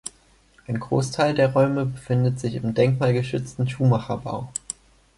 Ein Großteil der Räume befindet sich im denkmalgeschützten Schumacher-Bau.